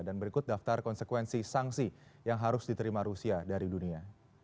dan berikut daftar konsekuensi sanksi yang harus diterima rusia dari dunia